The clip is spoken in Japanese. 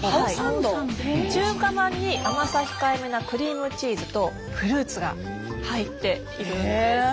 中華まんに甘さ控えめなクリームチーズとフルーツが入っているんです。